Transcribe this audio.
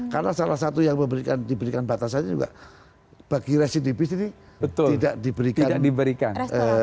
karena salah satu yang diberikan batasannya juga bagi residibis ini tidak diberikan